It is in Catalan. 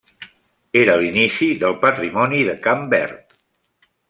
Era l'inici del patrimoni de Camp Verd.